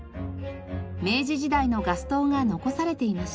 明治時代のガス灯が残されていました。